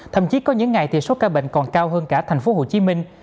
thậm chí có những ngày thì số ca bệnh còn cao hơn cả thành phố hồ chí minh